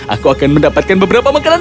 aku akan mendapatkan beberapa makanan